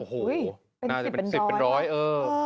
โอ้โหน่าจะเป็น๑๐เป็นร้อยเออ